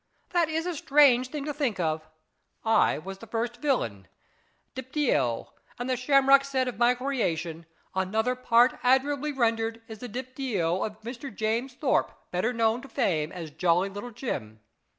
That is a strange thing to think of. I was the first villain, Deepdyeo, and the Shamrock said of my creation, ' Another part admirably rendered is the Deep dyeo of Mr. James Thorpe, better known to fame as Jolly Little Jim.